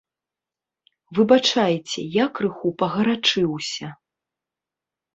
Выбачайце, я крыху пагарачыўся.